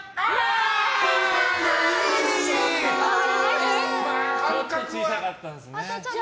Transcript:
ちょっと小さかったですね。